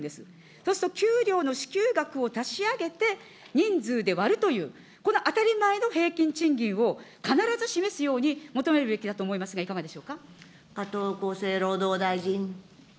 そうすると給料の支給額を足し上げて人数で割るという、この当たり前の平均賃金を、必ず示すように求めるべきだと思いますが、いかがでしょうか。